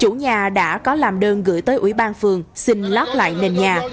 bác có làm đơn gửi tới ủy ban phường xin lót lại nền nhà